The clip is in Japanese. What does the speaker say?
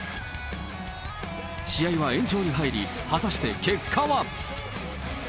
試合は延長に入り、果たして結果は？